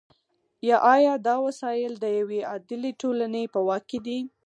یا آیا دا وسایل د یوې عادلې ټولنې په واک کې دي؟